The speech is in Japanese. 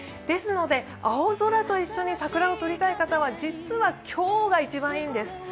ですので、青空と一緒に桜を撮りたい方は実は今日が一番いいんです。